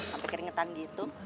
sampai keringetan gitu